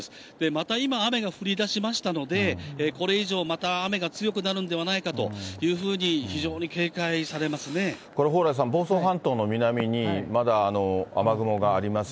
また今、雨が降りだしましたので、これ以上、また雨が強くなるのではないかというふうに非常に警戒これ、蓬莱さん、房総半島の南にまだ雨雲があります。